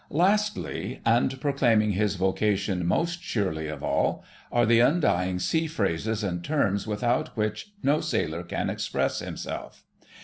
Lastly, and proclaiming his vocation most surely of all, are the undying sea phrases and terms without which no sailor can express himself.